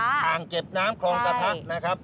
อ่างเก็บน้ำคลองกระทัดนะครับ